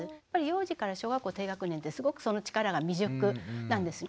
幼児から小学校低学年ってすごくその力が未熟なんです。